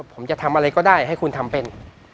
ผมจะทำอะไรก็ได้ให้คุณทำเป็น